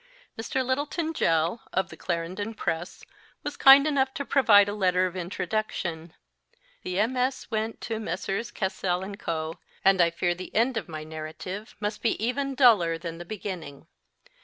Mr. Lyttelton Gell, of the Clarendon Press, was kind enough to provide a letter of introduction ; the MS. went to Messrs. Cassell & Co., and I fear the end of my narrative must be even duller than the beginning.